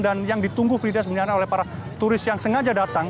yang ditunggu frida sebenarnya oleh para turis yang sengaja datang